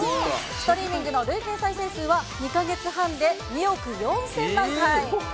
ストリーミングの累計再生回数は２か月半で２億４０００万回。